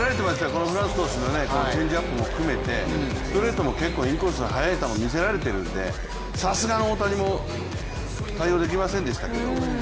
このフランス投手のチェンジアップも含めてストレートも結構インコース、速い球見せられてるんでさすがの大谷も対応できませんでしたけども。